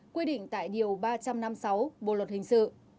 quy định tại điều ba trăm năm mươi sáu bộ luật hình sự